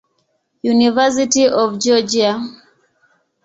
University of Georgia.